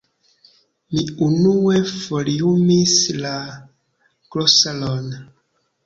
Mi unue foliumis la glosaron.